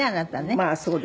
まあそうですね。